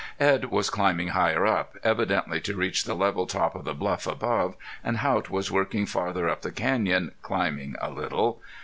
Edd was climbing higher up, evidently to reach the level top of the bluff above, and Haught was working farther up the canyon, climbing a little.